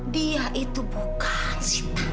dia itu bukan sita